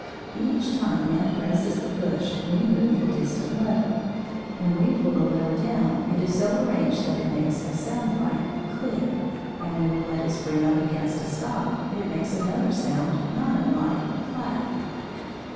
Each time man presses the push we move the distant lever. When we pull the lever down it is so arranged that it makes a sound like "click," and when we let it spring up against a stop it makes another sound not unlike "clack."